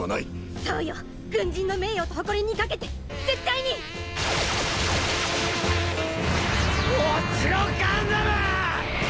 そうよ軍人の名誉と誇りに懸けて絶対に！落ちろガンダム！